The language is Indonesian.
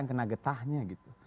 yang kena getahnya gitu